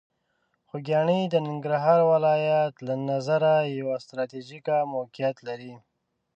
خوږیاڼي د ننګرهار ولایت له نظره یوه ستراتیژیکه موقعیت لري.